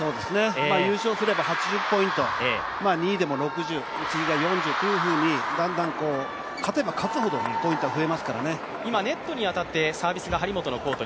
優勝すれば８０ポイント２位でも６０、次が４０というふうにだんだん、勝てば勝つほどポイントは増えますからね。